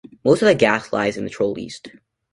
Most of the gas lies in Troll East.